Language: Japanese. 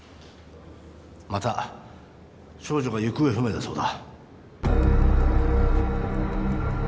また少女が行方不明だそうだ。